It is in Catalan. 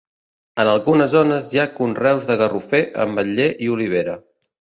En algunes zones hi ha conreus de garrofer, ametller i olivera.